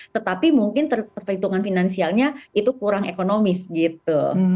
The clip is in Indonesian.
tetapi mungkin perhitungan finansialnya itu kurang ekonomis gitu